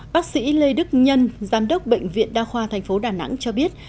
bác sĩ lê đức nhân giám đốc bệnh viện đa khoa tp đà nẵng cho biết